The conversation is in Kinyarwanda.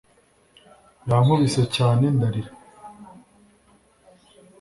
yankubise, cyane ndarira